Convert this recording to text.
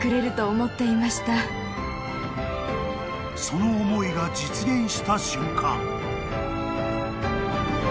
［その思いが実現した瞬間］